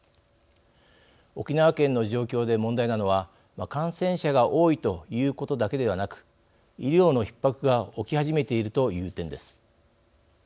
沖縄県の状況で問題なのは感染者が多いということだけではなく医療のひっ迫が起き始めているという点です。